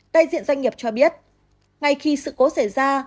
đại diện doanh nghiệp cho biết ngay khi sự cố xảy ra